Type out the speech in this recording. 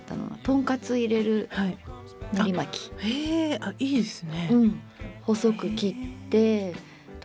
あいいですね。